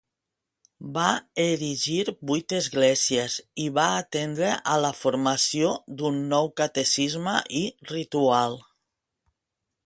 Va erigir vuit esglésies i va atendre a la formació d'un nou Catecisme i Ritual.